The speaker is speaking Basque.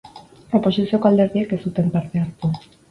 Oposizioko alderdiek ez zuten parte hartu.